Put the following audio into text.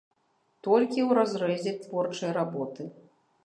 Толькі ў разрэзе творчай работы.